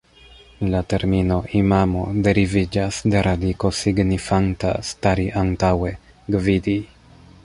La termino "imamo" deriviĝas de radiko signifanta "stari antaŭe, gvidi".